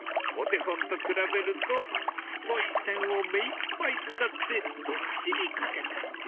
お手本と比べると太い線を目いっぱい使ってどっしり描けた。